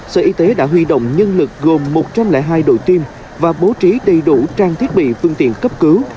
sở y tế đã huy động nhân lực gồm một trăm linh hai đội tim và bố trí đầy đủ trang thiết bị phương tiện cấp cứu